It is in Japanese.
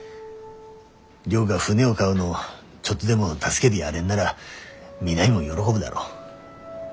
亮が船を買うのちょっとでも助けでやれんなら美波も喜ぶだろ。